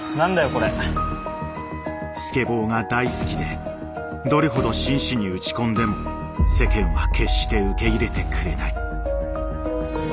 スケボーが大好きでどれほど真摯に打ち込んでも世間は決して受け入れてくれない。